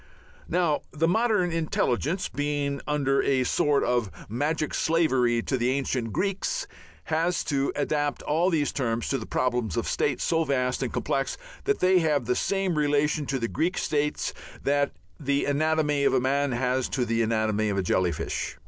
Now the modern intelligence, being under a sort of magic slavery to the ancient Greeks, has to adapt all these terms to the problems of states so vast and complex that they have the same relation to the Greek states that the anatomy of a man has to the anatomy of a jellyfish.